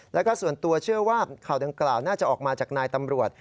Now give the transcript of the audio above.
แล้วก็ส่วนตัวเชื่อว่าข่าวดังกล่าวน่าจะออกมาจากนายตำรวจ